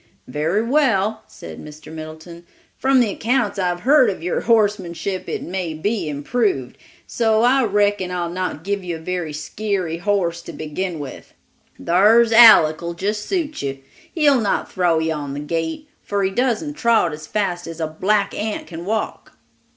"Very well," said Mr. Middleton; "from the accounts I have heard of your horsemanship it may be improved; so I reckon I'll not give you a very skeary horse to begin with. Thar's Aleck'll just suit you. He'll not throw you on the gate, for he doesn't trot as fast as a black ant can walk!"